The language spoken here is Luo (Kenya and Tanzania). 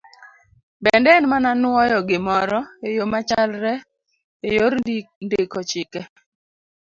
Bende en mana nwoyo gimoro e yo machalre e yor ndiko chike.